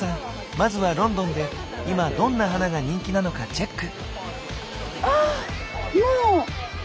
まずはロンドンで今どんな花が人気なのかチェック。